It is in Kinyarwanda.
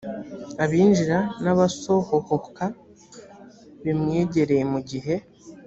abinjira n ‘abasohohoka bimwegereye mu gihe